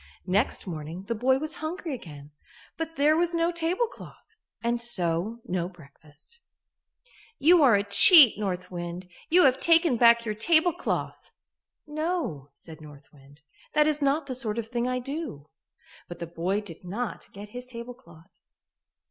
Next morning the boy was hungry again, but there was no tablecloth and so no breakfast. "You are a cheat, North Wind; you have taken back your tablecloth." "No," said North Wind, "that is not the sort of thing I do." But the boy did not get his tablecloth.